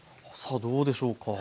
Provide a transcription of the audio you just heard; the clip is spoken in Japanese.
さあどうでしょうか。